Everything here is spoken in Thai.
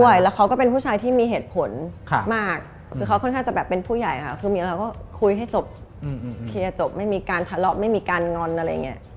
แล้วเขาก็เป็นผู้ชายที่มีเหตุผลมากคือเขาค่อนข้างจะแบบเป็นผู้ใหญ่ค่ะคือมีแล้วเราก็คุยให้จบเคลียร์จบไม่มีการทะเลาะไม่มีการงอนอะไรอย่างนี้